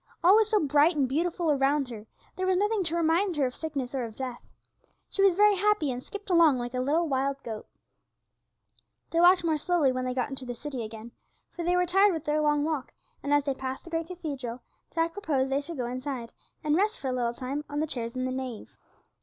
All was so bright and beautiful around her, there was nothing to remind her of sickness or of death. She was very happy, and skipped along like a little wild goat. They walked more slowly when they got into the city again, for they were tired with their long walk, and as they passed the great cathedral Jack proposed that they should go inside and rest for a little time on the chairs in the nave.